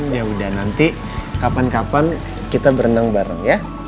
yaudah nanti kapan kapan kita berenang bareng ya